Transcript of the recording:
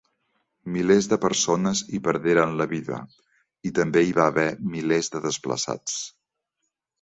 Milers de persones hi perderen la vida i també hi va haver milers de desplaçats.